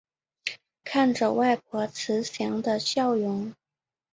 看着外婆慈祥的笑容